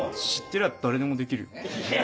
てりゃ誰でもできるよ。